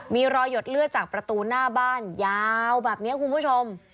มีรอยหยดเลือดจากประตูหน้าบ้านยาวแบบนี้คุณผู้ชม